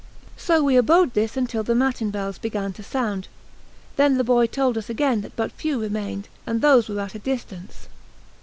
So we abode thus until the matinbells began to sound. Then the boy told us again that but few remained, and those were at a distance.